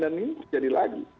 dan ini terjadi lagi